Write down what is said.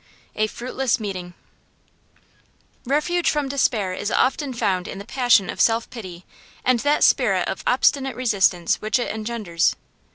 A FRUITLESS MEETING Refuge from despair is often found in the passion of self pity and that spirit of obstinate resistance which it engenders.